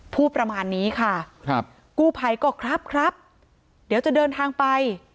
พูดประมาณนี้ค่ะครับกู้ภัยก็ครับครับเดี๋ยวจะเดินทางไป